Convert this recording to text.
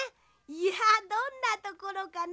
いやどんなところかな？